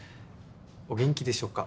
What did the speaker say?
お元気でしょうか？